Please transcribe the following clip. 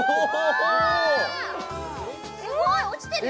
すごい落ちてるよ